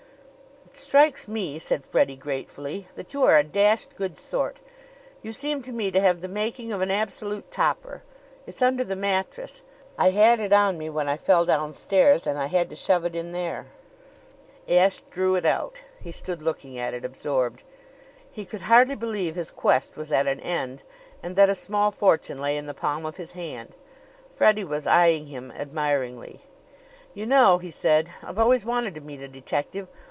"It strikes me," said Freddie gratefully, "that you are a dashed good sort. You seem to me to have the making of an absolute topper! It's under the mattress. I had it on me when I fell downstairs and I had to shove it in there." Ashe drew it out. He stood looking at it, absorbed. He could hardly believe his quest was at an end and that a small fortune lay in the palm of his hand. Freddie was eyeing him admiringly. "You know," he said, "I've always wanted to meet a detective.